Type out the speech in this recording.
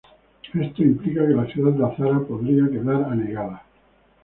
Esto implica que la ciudad de Azara podría quedar anegada.